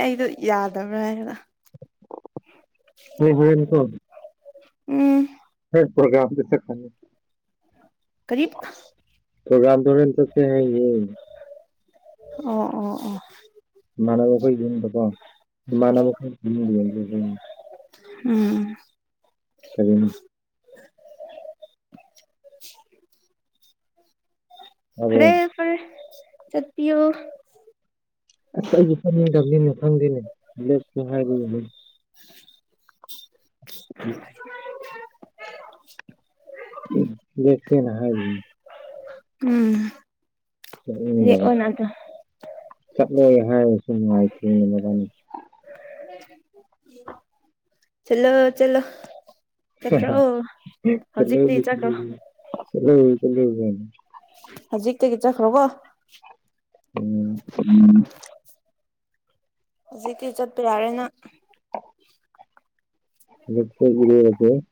ꯑꯩꯗꯣ ꯌꯥꯗꯕ꯭ꯔꯥ ꯍꯥꯏꯅ ꯎꯝ ꯍꯣꯏꯀꯣ ꯎꯝ ꯄꯣꯒ꯭ꯔꯝꯗ ꯆꯥꯠꯈꯔꯥꯅꯤ ꯀꯔꯤ ꯄꯣꯒꯔꯝꯗꯣ ꯍꯣꯔꯦꯜ ꯆꯥꯠꯁꯦ ꯍꯥꯏꯌꯦ ꯑꯣ ꯑꯣ ꯑꯣ ꯏꯃꯥꯟꯅꯕꯈꯣꯏ ꯌꯦꯅꯤꯡꯕꯀꯣ ꯏꯃꯥꯟꯅꯕ ꯑꯩꯈꯣꯏꯗ ꯌꯦꯡ ꯎꯝ ꯍꯌ‌ꯦꯡ ꯇꯥꯕ꯭ꯔꯣ ꯐꯔꯦ ꯐꯔꯦ ꯆꯠꯄꯤꯌꯣ ꯑꯁ ꯑꯩꯗꯤ ꯆꯠꯅꯤꯡꯇꯕꯅꯤꯅꯦ ꯈꯪꯗꯦꯅꯦ ꯂꯦꯛꯁꯦ ꯍꯥꯏꯔꯤ ꯎꯝ ꯂꯛꯁꯦꯅ ꯍꯥꯏꯔꯤꯅꯦ ꯎꯝ ꯆꯠꯅꯤꯡꯗꯕ ꯂꯦꯛꯑꯣꯅ ꯑꯗꯣ ꯆꯠꯂꯣꯏ ꯍꯥꯏꯔꯁꯨ ꯅꯨꯡꯉꯥꯏ ꯊꯦꯕꯅꯤ ꯆꯠꯂꯣ ꯆꯠꯂꯣ ꯆꯠꯈ꯭ꯔꯣ ꯍꯧꯖꯤꯛꯇꯤ ꯆꯠꯈ꯭ꯔꯣ [unintelligible] ꯍꯧꯖꯤꯛꯇꯒꯤ ꯆꯠꯈ꯭ꯔꯣꯀꯣ ꯎꯝ ꯎꯝ ꯍꯧꯖꯤꯛꯇꯤ ꯆꯠꯄ ꯌꯥꯔꯦ ꯅꯪ [unintelligible] [inaudible]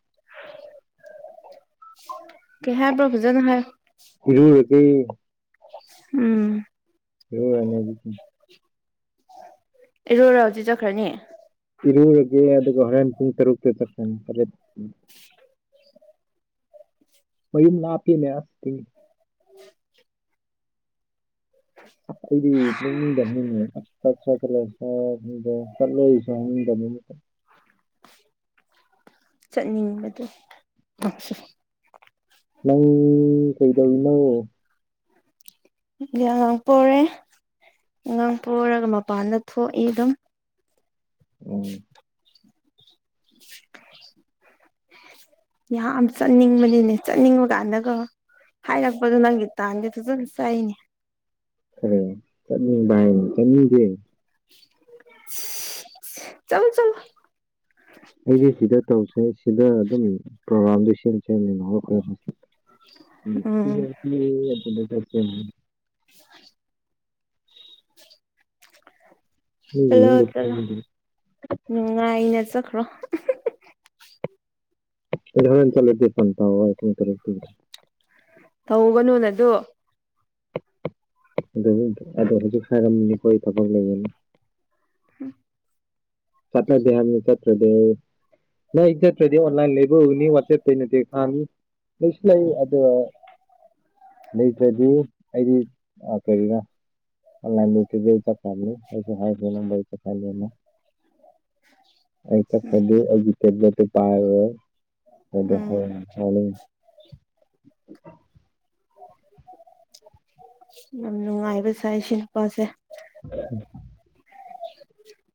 ꯀꯩ ꯍꯥꯏꯕ ꯐꯖꯅ ꯍꯥꯏꯌꯣ ꯏꯔꯨꯔꯒꯦ ꯎꯝ [unintelligible] [inaudible] ꯏꯔꯨꯔꯗꯤ ꯆꯠꯈ꯭ꯔꯅꯤ ꯏꯔꯨꯔꯒꯦ ꯑꯗꯨꯒ ꯍꯣꯔꯦꯟ ꯄꯨꯡ ꯇꯔꯨꯛꯇ ꯆꯠꯀꯅꯤ ꯇꯔꯦꯠ ꯃꯌꯨꯝ ꯂꯥꯞꯄꯤꯅꯦ ꯑꯁ ꯇꯤꯡ ꯑꯈꯣꯏꯗꯤ [unintelligible] ꯆꯠꯅꯤꯡꯕꯗꯣ ꯅꯪ ꯀꯩꯗꯧꯔꯤꯅꯣ ꯑꯉꯥꯡ ꯄꯣꯔꯦ ꯑꯉꯥꯡ ꯄꯣꯔꯒ ꯃꯄꯥꯟꯗ ꯊꯣꯛꯏ ꯑꯗꯨꯝ ꯎꯝ [inaudible] ꯌꯥꯝ ꯆꯠꯅꯤꯡꯕꯅꯤꯅꯦ ꯆꯠꯅꯤꯡꯕ ꯀꯥꯟꯗꯀꯣ ꯍꯥꯏꯔꯛꯄꯗꯨ ꯅꯪꯗꯤ ꯇꯥꯟꯗꯤ ꯐꯖꯅ ꯆꯥꯏꯅꯦ ꯐꯔꯦ ꯆꯠꯅꯤꯡꯕ ꯍꯥꯏꯅꯤ ꯆꯠꯅꯤꯡꯗꯦ ꯁꯤ ꯆꯠꯂꯨ ꯆꯠꯂꯨ ꯑꯩꯗꯤ ꯁꯤꯗ ꯇꯧꯁꯦ ꯁꯤꯗ ꯑꯗꯨꯝ ꯄ꯭ꯔꯣꯒꯥ꯭ꯔꯝꯗꯣ ꯁꯤꯟꯁꯦ ꯎꯝ [unintelligible] [unintelligible] [inaudible] ꯃꯤꯒꯤ ꯆꯠꯂꯣ ꯌꯨꯝꯗ ꯆꯠꯂꯣ ꯅꯨꯡꯉꯥꯏꯅ ꯆꯠꯈ꯭ꯔꯣ ꯑꯩꯅ ꯍꯣꯔꯦꯟ ꯆꯠꯂꯗꯤ ꯐꯣꯟ ꯇꯧꯔꯛꯑꯣ ꯄꯨꯡ ꯇꯔꯨꯛꯇ ꯇꯧꯒꯅꯨꯅ ꯑꯗꯨ ꯑꯗꯨ ꯑꯗꯨꯗ ꯍꯧꯖꯤꯛ [unintelligible] [inaudible] ꯎꯝ ꯆꯠꯅꯗꯦ ꯍꯥꯏꯕꯅꯦ ꯆꯠꯇ꯭ꯔꯗꯤ ꯅꯣꯏ ꯆꯠꯇ꯭ꯔꯗꯤ ꯑꯣꯟꯂꯥꯏꯟ ꯂꯩꯕ ꯎꯒꯅꯤ ꯋꯥꯆꯦꯞꯇꯩꯅꯗꯤ ꯐꯥꯒꯅꯤ ꯂꯩꯁꯨ ꯂꯩ ꯑꯗꯨꯒ ꯂꯩꯇ꯭ꯔꯗꯤ ꯑꯩꯗꯤ ꯀꯔꯤꯅ [unintelligible] ꯑꯩ ꯎꯝ ꯆꯠꯈ꯭ꯔꯗꯤ ꯑꯩꯒꯤ ꯇꯦꯕ꯭ꯂꯦꯠꯇꯣ ꯄꯥꯏꯔꯔꯣꯏ ꯎꯝ [unintelligible] ꯌꯥꯝ ꯅꯨꯡꯉꯥꯏꯕ ꯁꯥꯏ ꯁꯤ ꯅꯨꯄꯥꯁꯦ [unintelligible]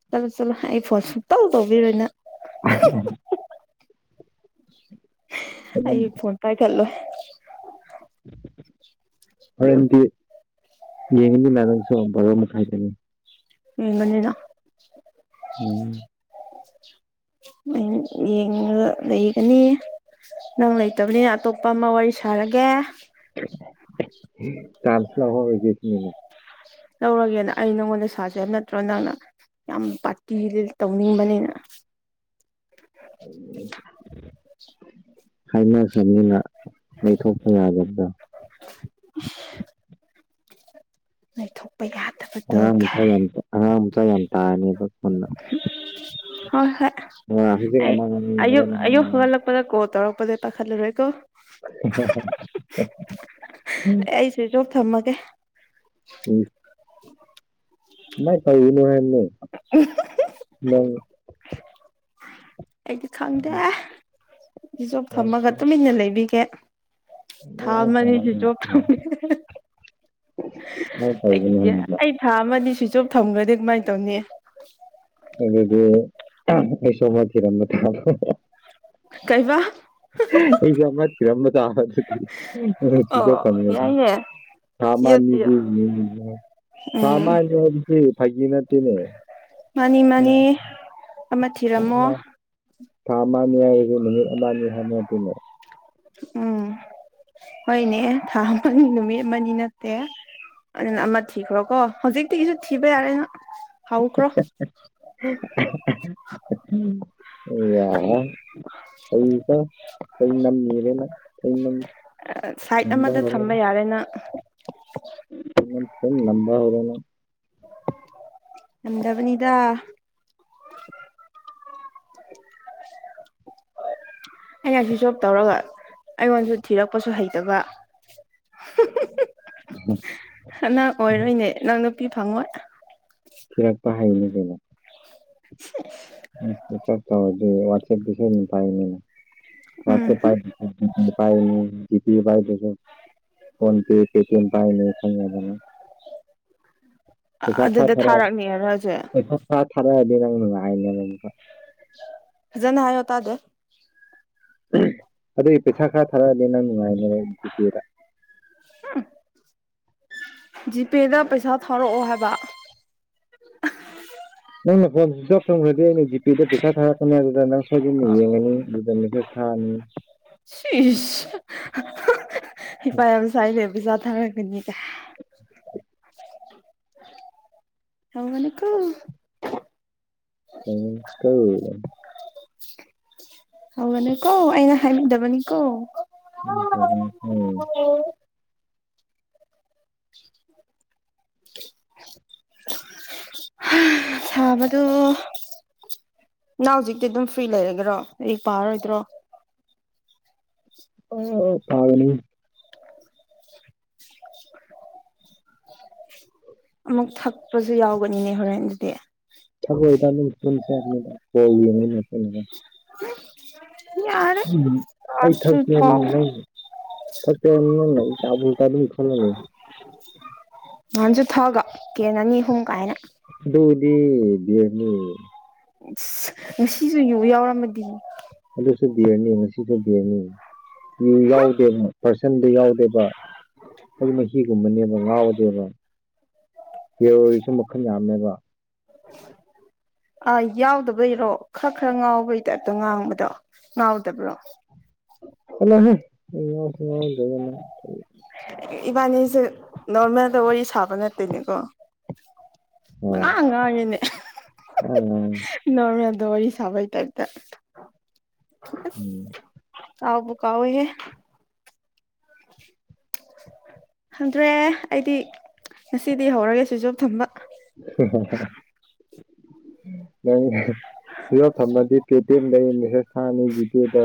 ꯆꯠꯂꯨ ꯆꯠꯂꯨ ꯑꯩ ꯐꯣꯟ ꯁꯨꯛꯇꯧ ꯇꯧꯕꯤꯔꯣꯏ ꯅꯪ [unintelligible] ꯑꯗꯨꯝ ꯑꯩꯒꯤ ꯐꯣꯟ ꯄꯥꯏꯈꯠꯂꯣꯏ ꯍꯣꯔꯦꯟꯗꯤ ꯌꯦꯡꯉꯨꯗꯅ ꯅꯪꯁꯨ ꯕꯥꯔꯣ ꯃꯈꯥꯏꯗꯅꯤ [unintelligible] ꯎꯝ ꯌꯦꯡꯂ ꯂꯩꯒꯅꯤ ꯅꯪ ꯂꯩꯇꯕꯅꯤꯅ ꯑꯇꯣꯞꯄ ꯑꯃ ꯋꯥꯔꯤ ꯁꯥꯔꯒꯦ ꯆꯥꯟꯁ ꯂꯧꯍꯧꯔꯒꯦ ꯁꯤꯅꯤꯅꯦ ꯂꯧꯔꯒꯦꯅ ꯑꯩ ꯅꯪꯉꯣꯟꯗ ꯁꯥꯁꯦ ꯍꯥꯏꯕ ꯅꯠꯇ꯭ꯔꯣ ꯅꯪꯅ ꯌꯥꯝ ꯄꯥꯇꯤ ꯇꯧꯅꯤꯡꯕꯅꯤꯅ [unintelligible] ꯍꯥꯏꯅꯈ꯭ꯔꯕꯅꯤꯅ ꯂꯩꯩꯊꯣꯛꯄ ꯌꯥꯗꯕ꯭ꯔ ꯂꯩꯊꯣꯛ ꯑꯉꯥꯡꯃꯆꯥ ꯌꯥꯝ ꯑꯉꯥꯡꯃꯆꯥ ꯌꯥꯝ ꯇꯥꯅꯦꯕ ꯄꯨꯟꯅ ꯍꯣꯏ ꯍꯣꯏ ꯍꯧꯖꯤꯛ ꯑꯩ ꯑꯃ ꯉꯥꯡꯉꯤ ꯑꯌꯨꯛ ꯍꯣꯔꯦꯟ ꯑꯃ ꯑꯌꯨꯛ ꯉꯥꯡꯉꯤ ꯍꯧꯒꯠꯂꯛ ꯅꯪꯅ ꯀꯣꯜ ꯇꯧꯔꯛꯄꯗꯤ ꯄꯥꯏꯈꯠꯂꯔꯣꯏꯀꯣ [unintelligible] ꯎꯝ ꯑꯩ ꯁ꯭ꯋꯤꯖ ꯑꯣꯐ ꯊꯝꯃꯒꯦ [unintelligible] [unintelligible] ꯍꯜꯂꯣ ꯑꯩꯗꯤ ꯈꯪꯗꯦ ꯁ꯭ꯋꯤꯆ ꯑꯣꯐ ꯊꯝꯃꯒ ꯇꯨꯃꯤꯟꯅ ꯂꯩꯕꯤꯒꯦ ꯊꯥ ꯑꯃ ꯑꯅꯤ ꯁ꯭ꯋꯤꯆ ꯑꯣꯐ ꯊꯝꯃꯒꯦ ꯑꯩ [unintelligible] ꯊꯥ ꯑꯃ ꯑꯅꯤ ꯁ꯭ꯋꯤꯆ ꯑꯣꯐ ꯊꯝꯒ꯭ꯔꯗꯤ ꯀꯃꯥꯏ ꯇꯧꯅꯤ ꯑꯗꯨꯗꯤ ꯑꯩꯨꯁ ꯊꯤꯔꯝꯕ ꯇꯥꯕ ꯀꯩꯕ ꯑꯩꯁꯨ ꯑꯃ ꯊꯤꯔꯝꯕ ꯇꯥꯕ ꯑꯗꯨꯗꯤ ꯅꯪ ꯁ꯭ꯋꯤꯆ ꯑꯣ ꯑꯣꯐ ꯊꯝꯒꯔꯗꯤ ꯌꯥꯏꯅꯦ ꯊꯥ ꯑꯃ ꯊꯤꯌꯣ ꯊꯤꯌꯣ ꯑꯅꯤꯗꯤ ꯎꯝ [unintelligible] ꯍꯩ ꯐꯥꯒꯤ ꯅꯠꯇꯦꯅꯦ ꯃꯥꯅꯤ ꯎꯝ, ꯃꯥꯅꯤ ꯑꯃ ꯊꯥ ꯊꯤꯔꯝꯃꯣ ꯑꯃ ꯊꯥ ꯑꯃ ꯑꯅꯤ ꯍꯥꯏꯕꯖꯦ ꯅꯨꯃꯤꯠ ꯑꯃ ꯑꯅꯤ ꯍꯥꯏꯕ ꯅꯠꯇꯦꯅꯦ ꯎꯝ ꯍꯣꯏꯅꯦ ꯊꯥ ꯑꯃ ꯑꯅꯤ ꯅꯨꯃꯤꯠ ꯑꯃ ꯑꯅꯤ ꯅꯠꯇꯦ ꯑꯗꯨꯅ ꯑꯃ ꯊꯤꯈ꯭ꯔꯣ ꯀꯣ ꯍꯧꯖꯤꯛꯇꯒꯤꯁꯨ ꯊꯤꯕ ꯌꯥꯔꯦ ꯅꯪ ꯍꯧꯈ꯭ꯔꯣ [unintelligible] ꯑꯦ ꯌꯥ ꯀꯔꯤꯕ ꯆꯩ ꯌꯥꯝ ꯅꯤꯔꯦ ꯅꯪ ꯆꯩꯅꯝ ꯑ ꯁꯥꯏꯠ ꯑꯃꯗ ꯊꯝꯕ ꯌꯥꯔꯦꯅ [unintelligible] ꯍꯧꯔꯦ ꯅꯪ ꯌꯥꯝꯗꯕꯅꯤꯗ ꯑꯩꯅ ꯁ꯭ꯋꯤꯆ ꯑꯣꯐ ꯇꯧꯔꯒ ꯑꯩꯉꯣꯟꯗꯁꯨ ꯊꯤꯔꯛꯄꯁꯨ ꯍꯩꯇꯕ ꯅꯪ ꯑꯣꯏꯔꯣꯏꯅꯦ ꯅꯪ ꯅꯨꯄꯤ ꯐꯪꯉꯣꯏ ꯊꯤꯔꯛꯄ ꯍꯩꯅꯤ ꯀꯩꯅꯣ [unintelligible] ꯁ꯭ꯋꯤꯆ ꯑꯣꯐ ꯇꯧꯔꯗꯤ ꯋꯥꯆꯞꯇꯤ ꯁꯣꯏꯗꯅ ꯄꯥꯏꯒꯅꯤꯅ ꯎꯝ ꯋꯥꯆꯞ ꯄꯥꯏꯗ꯭ꯔ ꯖꯤꯄꯦ ꯄꯥꯏꯅꯤ ꯖꯤꯄꯦ ꯄꯥꯏꯗ꯭ꯔꯖꯨ ꯐꯣꯟ ꯄꯦ ꯄꯦꯇꯦꯝ ꯄꯥꯏꯅꯦ ꯈꯪꯉꯦꯕ ꯅꯪ ꯑꯗꯨꯗ ꯊꯥꯔꯛꯅꯤ ꯍꯥꯏꯔꯣ ꯍꯥꯏꯖꯦ ꯊ ꯊꯥꯔꯛ ꯑꯗꯤ ꯅꯪ ꯅꯨꯡꯉꯥꯏꯅꯦꯕ ꯑꯃꯨꯛꯀ ꯐꯖꯅ ꯍꯥꯏꯌꯣ ꯇꯥꯗꯦ ꯑꯗꯨꯒꯤ ꯄꯩꯁꯥ ꯈꯔ ꯊꯥꯔꯛꯑꯗꯤ ꯅꯪ ꯅꯨꯡꯉꯥꯏꯅꯦꯕ ꯖꯤꯄꯦꯗ ꯖꯤꯄꯦꯗ ꯄꯩꯁꯥ ꯊꯥꯔꯛꯑꯣ ꯍꯥꯏꯕ ꯅꯪ ꯃꯈꯣꯟꯁꯤ ꯆꯥꯎ [unintelligible] ꯐꯝꯈ꯭ꯔꯗꯤ ꯑꯩꯅ ꯖꯤꯄꯦꯗ ꯄꯩꯁꯥ ꯊꯥꯔꯛꯀꯅꯤ ꯑꯗꯨꯗ ꯅꯪ ꯁꯣꯏꯗꯅ ꯌꯦꯡꯉꯅꯤ ꯑꯗꯨꯗ ꯃꯦꯇꯔ ꯊꯔꯅꯤ ꯏꯁ ꯍꯩꯄꯥ ꯌꯥꯝ ꯁꯥꯏꯅꯦ ꯄꯩꯁꯥ ꯊꯥꯔꯛꯀꯅꯤ ꯀꯥꯏ ꯊꯪꯒꯅꯤ ꯀꯣ [unintelligible] ꯍꯧꯕꯅꯦ ꯀꯣ ꯑꯩꯅ ꯍꯥꯏꯕꯤꯗꯕꯅꯤ ꯀꯣ꯫ [inaudible] ꯁꯥꯕꯗꯣ ꯅꯪ ꯍꯧꯖꯤꯛꯇꯤ ꯑꯗꯨꯝ ꯐ꯭ꯔꯤ ꯂꯩꯔꯒꯔꯣ ꯂꯩꯔꯤꯛ ꯄꯥꯔꯣꯏꯗ꯭ꯔꯣ? ꯑꯣ ꯐꯥꯕꯅꯤ ꯑꯃꯨꯛ ꯊꯛꯄꯁꯨ ꯌꯥꯎꯒꯅꯤꯅꯦ ꯍꯣꯔꯦꯟ ꯑꯗꯨꯗꯤ꯫ ꯏꯣꯦꯣꯦ [unintelligible] ꯌꯥꯔꯦ ꯎꯝ ꯑꯩ ꯊꯥꯁꯨ ꯊꯛꯇꯦ ꯊꯥꯎ ꯅꯪꯕꯨ꯫ [unintelligible] ꯅꯍꯥꯟꯁꯨ ꯊꯛꯑꯒ ꯀꯦꯅ ꯑꯅꯤ ꯑꯍꯨꯝ ꯀꯥꯏꯅ ꯗꯣꯗꯤ ꯕꯤꯌꯔꯅꯦ ꯑꯁ ꯉꯁꯤꯁꯨ ꯌꯨ ꯌꯥꯎꯔꯝꯃꯗꯤ ꯑꯗꯨꯁꯨ ꯕꯤꯔꯅꯤ ꯉꯁꯤꯁꯨ ꯕꯤꯔꯅꯤ ꯌꯨ ꯌꯥꯎꯗꯦꯕ ꯄꯥꯔꯁꯟꯗꯨ ꯌꯥꯎꯗꯦꯕ ꯑꯩ ꯃꯍꯤꯒꯨꯝꯕꯅꯦꯕ ꯉꯥꯎꯔꯗꯦꯕ ꯕꯤꯌꯥꯔꯁꯨ ꯃꯈꯜ ꯌꯥꯝꯃꯦꯕ ꯑ ꯌꯥꯎꯗꯕꯩꯔꯣ ꯈꯔ ꯈꯔ ꯉꯥꯎꯕꯩ ꯇꯥꯏꯞꯇ ꯉꯥꯡꯕꯗꯣ ꯉꯥꯎꯗꯕꯔꯣ [unintelligible] ꯏꯕꯥꯅꯤꯁꯦ ꯅꯣꯔꯃꯦꯜꯗ ꯋꯥꯔꯤ ꯁꯥꯕ ꯅꯠꯇꯦꯅꯦꯀꯣ ꯍꯣꯏ ꯄꯪꯉꯥꯡ [unintelligible] ꯅꯣꯔꯃꯦꯜꯗ ꯋꯔꯥ ꯁꯕꯥꯏ ꯇꯥꯞꯇ꯫ ꯉꯥꯡꯉꯤ ꯎꯝ ꯑꯁ ꯀꯥꯎꯕꯨ ꯀꯥꯎꯋꯦꯍꯦ꯫ ꯍꯟꯗ꯭ꯔꯦ ꯑꯩꯗꯤ ꯉꯁꯤꯗꯤ ꯍꯧꯔꯒꯦ ꯁꯨꯏꯁ ꯑꯣꯞ ꯊꯝꯕ ꯍꯥ ꯍꯥ ꯍꯥ ꯅꯪ ꯁ꯭ꯋꯤꯁ ꯑꯣꯐ ꯊꯝꯔꯗꯤ [unintelligible] ꯃꯦꯁꯦꯁ ꯊꯥꯔꯅꯤ ꯚꯤꯗꯤꯑꯣꯗ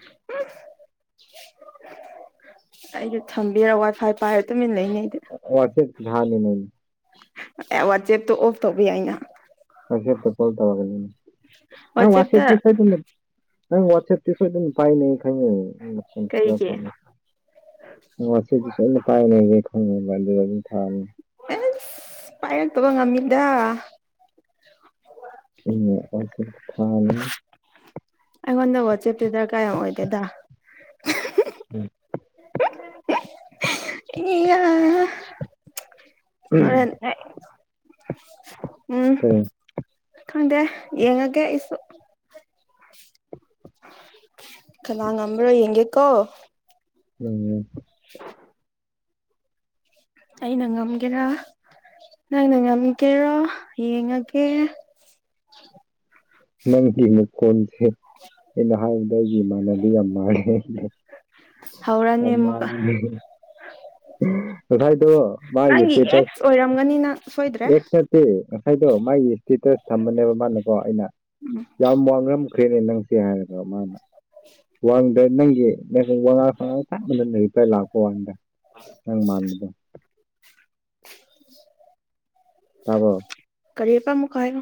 [unintelligible] ꯑꯩꯗꯤ ꯊꯝꯕꯤꯔ ꯋꯥꯏꯐꯥꯏ ꯄꯥꯏꯔ ꯇꯨꯃꯤꯟꯅ ꯂꯩꯅꯤ ꯑꯩꯗꯤ [unintelligible] ꯑꯦ ꯋꯥꯆꯦꯞꯇꯣ ꯑꯣꯐ ꯇꯧꯕꯤ ꯌꯥꯏꯅ [unintelligible] ꯋꯥꯆꯦꯞꯇ ꯅꯪ ꯋꯥꯠꯁꯦꯞꯇꯤ ꯁꯣꯏꯗꯅ ꯄꯥꯏꯒꯅꯦ ꯑꯩ ꯈꯪꯉꯦ ꯀꯩꯒꯤ ꯑꯣ ꯉꯁꯤꯒꯤꯁꯨ ꯑꯩꯅ ꯄꯥꯏ ꯂꯩꯌꯦ [unintelligible] ꯑꯗꯨꯝ ꯊꯥꯅꯤ ꯑꯦꯁ ꯄꯥꯏꯔꯛꯇꯕ ꯉꯝꯃꯤꯗ ꯎꯝ ꯋꯥꯆꯦꯞ ꯊꯥꯅꯤ ꯑꯩꯉꯣꯟꯗ ꯋꯥꯆꯦꯞꯇꯨ ꯗꯔꯀꯥꯔ ꯌꯥꯝ ꯑꯣꯏꯗꯦꯗ꯫ ꯎꯝ [unintelligible] ꯎꯝ ꯍꯣꯔꯦꯟ ꯎꯝ [unintelligible] ꯈꯪꯗꯦ ꯌꯦꯡꯉꯒꯦ ꯑꯩꯁꯨ ꯀꯅꯥ ꯉꯝꯕ꯭ꯔꯥ ꯌꯦꯡꯒꯦꯀꯣ [unintelligible] [unintelligible] ꯑꯩꯅ ꯉꯝꯒꯦꯔꯥ ꯅꯪꯅ ꯉꯝꯒꯦꯔꯣ ꯌꯦꯡꯉꯒꯦ ꯅꯪꯒꯤ ꯃꯈꯣꯜꯁꯦ ꯑꯩꯅ ꯍꯥꯏꯕꯗ ꯑꯩꯒꯤ ꯏꯃꯥꯟꯅꯕꯤ ꯌꯥꯝ ꯃꯥꯔꯦ ꯑꯩꯅ ꯍꯧꯔꯅꯤ ꯌꯥꯝ ꯑꯃꯨꯛꯀ ꯃꯥꯟꯂꯤꯅ‌ꯦ ꯉꯁꯥꯏꯗꯣ ꯃꯥꯒꯤ ꯅꯪꯒꯤ ꯄꯦꯄꯔ ꯑꯦꯛꯁ ꯑꯣꯏꯔꯝꯒꯅꯤ ꯅꯪ ꯁꯣꯏꯗ꯭ꯔꯦ [unintelligible] ꯁꯤ ꯉꯁꯥꯏꯗꯣ ꯃꯥꯒꯤ ꯏꯁꯇꯦꯇꯁ ꯊꯝꯕꯅꯦꯕ ꯃꯥꯅꯀꯣ ꯑꯩꯅ ꯎꯝ ꯌꯥꯝ ꯋꯥꯉꯝꯈ꯭ꯔꯦꯅꯦ ꯅꯪꯁꯦ ꯍꯥꯏꯔꯕ ꯃꯥꯅ ꯋꯥꯡꯗ꯭ꯔ ꯅꯪꯒꯤ ꯅ ꯋꯥꯉꯥꯡ ꯁꯉꯥꯡ ꯆꯞ ꯃꯟꯊꯅ ꯔꯤꯄꯥꯏ ꯂꯥꯛꯄ ꯋꯥꯅꯤꯗ ꯅꯪ ꯃꯥꯟꯕꯗꯣ [unintelligible] ꯇꯕꯔ‌ꯣ ꯀꯔꯤꯕ ꯃꯨꯛꯀꯥ ꯍꯥꯏꯌꯣ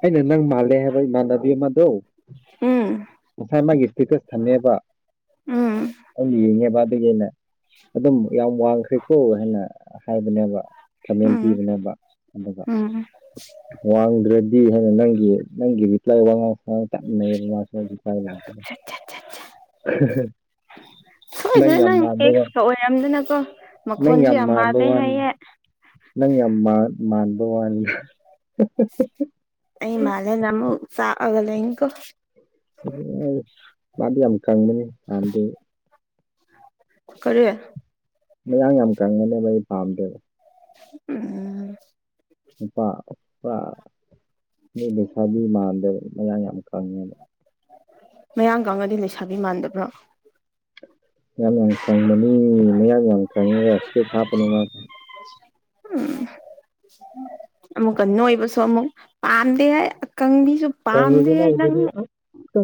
ꯑꯩꯅ ꯅꯪ ꯃꯥꯜꯂꯦ ꯍꯥꯏꯕ ꯏꯃꯥꯟꯅꯕꯤ ꯑꯃꯗꯣ ꯎꯝ ꯉꯁꯥꯏ ꯃꯥꯒꯤ ꯏꯁꯇꯦꯇꯁ ꯊꯝꯃꯦꯕ ꯎꯝ ꯑꯩꯅ ꯌꯦꯡꯉꯦꯕ ꯑꯗꯒꯤ ꯑꯩꯅ ꯑꯗꯨꯝ ꯌꯥꯝ ꯋꯥꯡꯈ꯭ꯔꯦꯀꯣ ꯍꯥꯏꯅ ꯍꯥꯏꯕꯅꯦꯕ ꯀꯃꯦꯟ ꯎꯝ ꯄꯤꯕꯅꯕ ꯑꯗꯨꯒ ꯎꯝ ꯋꯥꯡꯗ꯭ꯔꯗꯤ ꯍꯥꯏꯅ ꯅꯪꯒꯤ ꯅꯪꯒꯤ ꯔꯤꯄ꯭ꯂꯥꯏ ꯋꯥꯉꯥꯡ ꯁꯅꯥꯡ ꯆꯞꯃꯅꯩꯑꯕ ꯃꯥꯁꯨ [unintelligible] ꯁꯣꯏꯗꯅ ꯌꯥꯝ ꯅꯪ ꯃꯥꯟꯕ ꯋꯥ ꯑꯦꯛꯁꯀ ꯑꯣꯏꯔꯝꯗꯅꯀꯣ ꯅꯪ ꯃꯈꯣꯟꯁꯨ ꯌꯥꯝ ꯃꯥꯟꯕ ꯃꯥꯜꯂ‌ꯦ ꯋꯥꯅꯤ ꯍꯥꯏꯌꯦ ꯅꯪ ꯌꯥꯝ ꯃꯟ ꯃꯟꯕ ꯋꯥꯅꯦ ꯍꯥꯍꯥꯍꯥ ꯑꯩ ꯃꯥꯂꯦꯅꯥ ꯑꯃꯨꯛ ꯆꯥꯛ ꯑꯒꯥ ꯂꯩꯅꯤꯀꯣ ꯑꯗꯨ ꯃꯥꯗꯤ ꯌꯥꯝ ꯀꯪꯕꯅꯤ ꯄꯥꯝꯗꯦ ꯀꯔꯤ ꯃꯌꯥꯡ ꯌꯥꯝ ꯀꯪꯉꯅꯦꯕ ꯑꯩ ꯄꯥꯝꯗꯦꯕ ꯎꯝ ꯅꯨꯄꯥ ꯄꯨꯔꯥ ꯃꯤ ꯂꯩꯁꯥꯕꯤ ꯃꯥꯟꯗꯕ ꯃꯌꯥꯡ ꯌꯥꯝ ꯀꯪꯉꯦꯕ ꯃꯌꯥꯡꯀꯡꯉꯗꯤ ꯂꯩꯁꯥꯕꯤ ꯃꯥꯟꯗꯕ꯭ꯔꯣ ꯌꯥꯝ ꯌꯥꯝ ꯈꯪꯕꯅꯤ ꯃꯌꯥ ꯌꯥꯝ ꯈꯪꯉꯦꯒ ꯁ ꯍꯥꯞꯄꯅꯦ ꯃꯥꯅ ꯎꯝ ꯑꯃꯨꯛ ꯅꯣꯏꯕꯁꯨ ꯑꯃꯨꯛ ꯄꯥꯝꯗꯦ ꯍꯥꯏ ꯑꯀꯪꯕꯤ ꯀꯪꯉꯦꯗꯅ ꯍꯨꯖꯤꯛꯇꯤ ꯑꯁ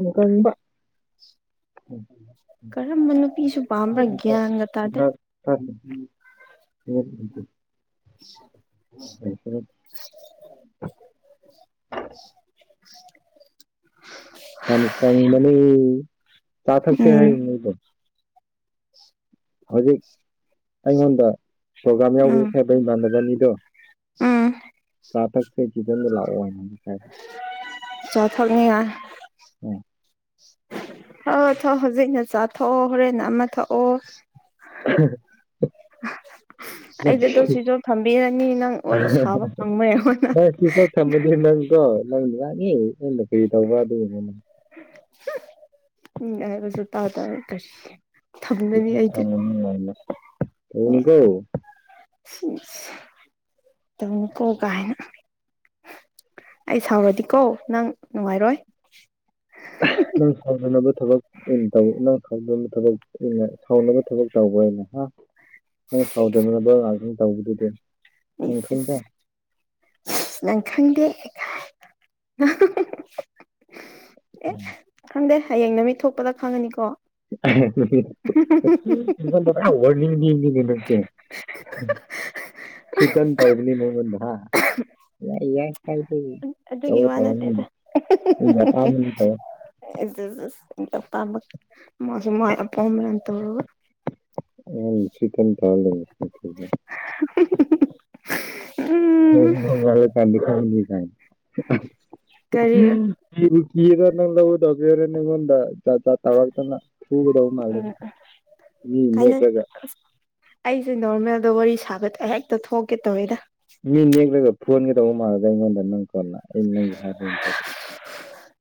[unintelligible] ꯀꯔꯝꯕ ꯅꯨꯄꯤꯁꯨ ꯄꯥꯝꯕ꯭ꯔꯥꯒ꯭ꯌꯥꯟꯒ ꯇꯥꯗꯦ [inaudible] [unintelligible] [unintelligible] ꯌꯥꯝ ꯀꯪꯕꯅꯦ ꯆ ꯊꯛꯁꯦ ꯍꯥꯏ ꯎꯝ [unintelligible] ꯍꯧꯖꯤꯛ ꯑꯩꯉꯣꯟꯗ ꯄ꯭ꯔꯣꯒ꯭ꯔꯥꯝ ꯌꯥꯎꯕꯗ ꯎꯝ ꯁꯦꯝꯕ ꯏꯃꯥꯟꯅꯕꯅꯤꯗꯣ ꯎꯝ ꯆꯥꯊꯛꯁꯦ ꯆꯤꯗꯪꯗ ꯂꯥꯛꯑꯣ ꯍꯥꯏꯅ ꯍꯥꯏ ꯆ ꯊꯛꯅꯤꯉ‌ꯦ ꯑꯥ ꯊꯥꯛꯑꯣ ꯊꯥꯛꯑꯣ ꯍꯧꯖꯤꯛꯅ ꯆꯥꯊꯣꯛꯑꯣ ꯍꯣꯔꯦꯟ ꯑꯃ ꯊꯥꯛꯑꯣ [unintelligible] [unintelligible] ꯅꯪ ꯑꯩꯗ ꯑꯗꯨꯣ ꯁꯤꯖꯣ ꯊꯝꯕꯤꯔꯅꯤ ꯅꯪ ꯋꯥꯔꯤ ꯁꯥꯕ ꯐꯪꯕꯣꯏꯉꯣꯅ ꯀꯣ ꯅꯪꯗꯤ ꯋꯥꯅꯤ ꯅꯪꯅ ꯀꯔꯤ ꯇꯧꯕ ꯑꯗꯨꯗꯤꯅꯪ [unintelligible] ꯎꯝ ꯍꯥꯏꯒꯁꯨ ꯇꯥ ꯇ ꯀꯁꯤ [unintelligible] ꯇꯧꯅꯨꯀꯣ [unintelligible] ꯇꯨꯝꯀ‌ꯣ ꯀꯥꯏꯅ ꯑꯩ ꯁꯥꯎꯔꯗꯤꯀꯣ ꯅꯪ ꯅꯨꯡꯉꯥꯏꯔꯣꯏ ꯅꯪ ꯁꯥꯎꯅꯅꯕ ꯊꯕꯛ [unintelligible] ꯑꯩꯅ ꯁꯥꯎꯅꯕ ꯊꯕꯛ [unintelligible] ꯍꯥ ꯅꯪ ꯁꯥꯎꯗꯅꯕ [unintelligible] ꯇꯧꯕꯗꯨꯗ ꯏꯁ ꯏꯁ ꯅꯪ ꯈꯪꯗꯦ ꯀꯥꯏ ꯑꯦ ꯈꯪꯗꯦ ꯍꯌꯦꯡ ꯅꯨꯃꯤꯠ ꯊꯣꯛꯄꯗ ꯈꯪꯉꯅꯤꯀꯣ [unintelligible] ꯊ꯭ꯔꯤꯇꯟ ꯇꯧꯕꯅꯤ ꯅꯉ‌ꯣꯟꯗ ꯍꯥ ꯌꯥꯏ ꯌꯥꯏ [unintelligible] ꯑꯗꯨꯒꯤ ꯇꯧꯔ‌ꯣ ꯋꯥ ꯇꯧꯔ‌ꯣ ꯅꯪ ꯅꯠꯇꯦꯗ ꯅꯪ ꯑꯄꯥꯝꯕꯗ‌ꯣ ꯇꯧ ꯏꯁ ꯏꯁ ꯏꯁ [unintelligible] ꯃꯥꯁꯨ ꯃꯥꯏ ꯑꯄ‌ꯣꯏꯃ‌ꯦꯟ ꯇꯧꯔꯒ ꯅꯪ ꯁꯤ ꯇꯝ ꯇꯧꯔ [unintelligible] [unintelligible] ꯎꯝ ꯅꯉꯣꯟꯗ ꯀꯔꯤ [unintelligible] ꯊꯤꯒꯗ‌ꯣ ꯃꯥꯜꯂꯦ ꯎꯝ ꯃꯤ ꯀꯩꯅꯣ ꯅꯦꯛꯂꯒ ꯑꯩꯁꯦ ꯅꯣꯔꯃꯦꯜꯗ ꯋꯥꯔꯤ ꯁꯥꯕꯗ ꯍꯦꯛꯇ ꯊꯣꯛꯀꯦ ꯇꯧꯋꯦꯗ ꯃꯤ ꯅꯦꯛꯂꯒ ꯐꯨꯍꯟ [unintelligible] [unintelligible]